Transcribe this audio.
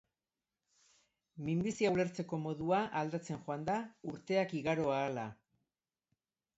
Minbizia ulertzeko modua aldatzen joan da urteak igaro ahala.